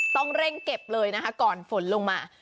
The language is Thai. ต้องเร่งเก็บเลยนะคะก่อนฝนลงมา